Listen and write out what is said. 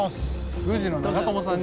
宮司の長友さんに。